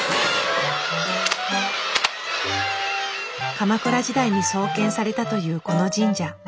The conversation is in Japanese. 鎌倉時代に創建されたというこの神社。